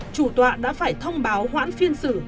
chủ tòa đã phải thông báo hoãn phiên xử